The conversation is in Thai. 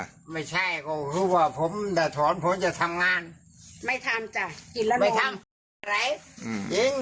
ไม่ใช่ก็คิดว่าผมแต่ถอนผมจะทำงาน